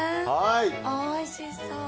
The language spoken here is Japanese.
おいしそう。